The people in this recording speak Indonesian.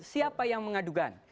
siapa yang mengadukan